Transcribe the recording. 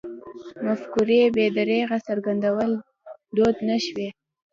مفکورې بې درېغه څرګندول دود نه شوی.